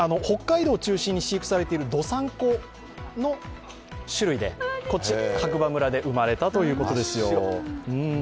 北海道を中心に飼育されているどさんこの種類で白馬村で生まれたということですよ。